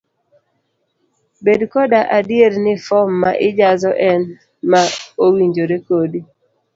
Bed koda adier ni fom ma ijaso en ma owinjore kodi.